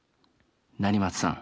成松さん。